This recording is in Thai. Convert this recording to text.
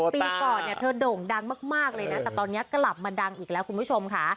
ปีก่อนเนี่ยเธอโด่งดังมากเลยนะแต่ตอนนี้กลับมาดังอีกแล้วคุณผู้ชมค่ะ